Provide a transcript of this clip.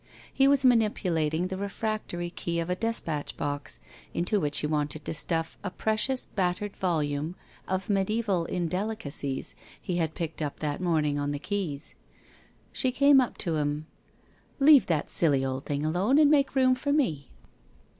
He was manipulating the refractory key of a despatch box, into which he wanted to stuff a precious battered volume of media3val indelica cies he had picked up that morning on the quays. She came up to him :' Leave that silly old thing alone, and make room for me.'